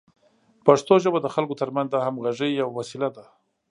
پښتو ژبه د خلکو ترمنځ د همغږۍ یوه وسیله ده.